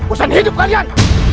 usah hidup kalian